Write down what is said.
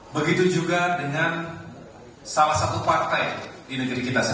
begitu juga dengan salah satu partai di negeri kita